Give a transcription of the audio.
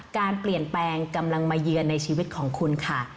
การเปลี่ยนแปลงกำลังมาเยือนในชีวิตของคุณค่ะ